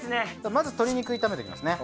まず鶏肉炒めていきますね。